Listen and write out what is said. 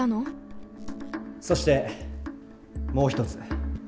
そしてもう一つ。